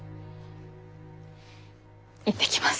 行ってきます。